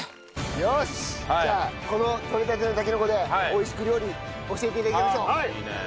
よしじゃあこのとれたてのたけのこで美味しく料理教えて頂きましょう。